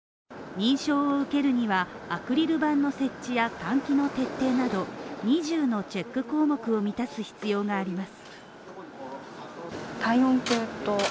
認証を受けるにはアクリル板の設置や換気の徹底など、二重のチェック項目を満たす必要があります。